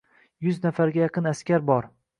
yuz nafarga yaqin askar bor.